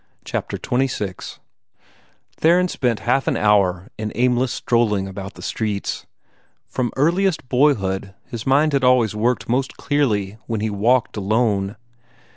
CHAPTER XXVI Theron spent half an hour in aimless strolling about the streets. From earliest boyhood his mind had always worked most clearly when he walked alone.